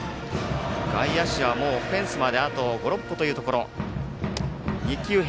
外野手はフェンスまであと５６歩というところ。